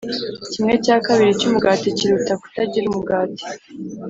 kimwe cya kabiri cyumugati kiruta kutagira umugati